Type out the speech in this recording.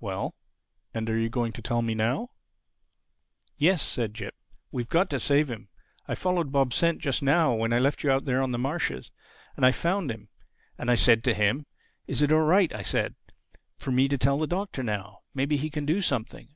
"Well, and are you going to tell me now?" "Yes," said Jip, "we've got to save him. I followed Bob's scent just now when I left you out there on the marshes. And I found him. And I said to him, 'Is it all right,' I said, 'for me to tell the Doctor now? Maybe he can do something.